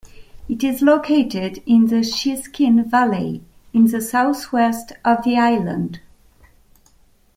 It is located in the Shiskine valley in the south-west of the island.